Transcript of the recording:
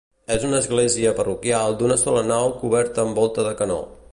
És una església parroquial d'una sola nau coberta amb volta de canó.